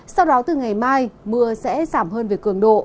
sau đó từ ngày mai mưa sẽ giảm hơn về cường độ